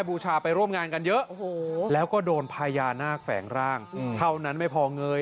บูชาไปร่วมงานกันเยอะแล้วก็โดนพญานาคแฝงร่างเท่านั้นไม่พอเงย